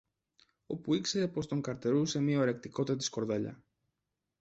όπου ήξερε πως τον καρτερούσε μια ορεκτικότατη σκορδαλιά.